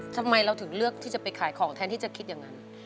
ทำไมเราถึงเลือกที่จะไปขายของแทนที่จะคิดอย่างนั้น